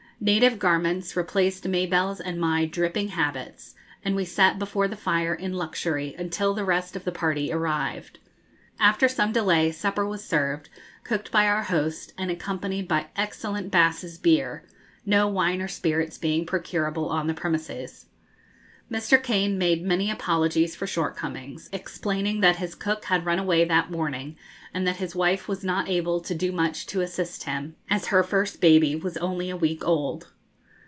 Native garments replaced Mabelle's and my dripping habits, and we sat before the fire in luxury until the rest of the party arrived. After some delay supper was served, cooked by our host, and accompanied by excellent Bass's beer, no wine or spirits being procurable on the premises. Mr. Kane made many apologies for shortcomings, explaining that his cook had run away that morning, and that his wife was not able to do much to assist him, as her first baby was only a week old.